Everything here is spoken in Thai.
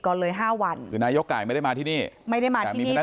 ก่อนเลย๕วันนายกไก่ไม่ได้มาที่นี่ไม่ได้มาที่นี่ถ้า